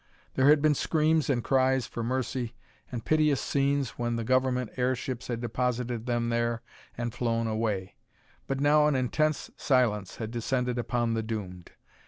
There had been screams and cries for mercy, and piteous scenes when the Government airships had deposited them there and flown away, but now an intense silence had descended upon the doomed.